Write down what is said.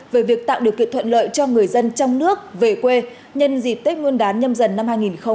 về việc tạo điều kiện thuận lợi cho người dân trong nước về quê nhân dịp tết nguyên đán nhâm dần năm hai nghìn hai mươi